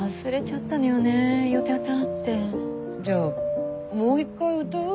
じゃあもう一回歌う？